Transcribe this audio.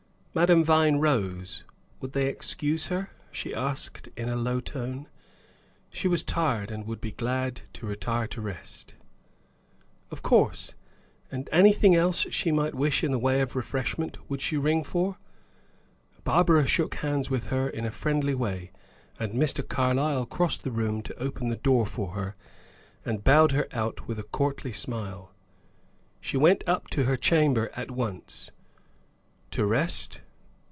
Madame Vine rose. "Would they excuse her?" she asked, in a low tone; "she was tired and would be glad to retire to rest." "Of course. And anything she might wish in the way of refreshment, would she ring for?" Barbara shook hands with her, in her friendly way; and Mr. Carlyle crossed the room to open the door for her, and bowed her out with a courtly smile. She went up to her chamber at once. To rest?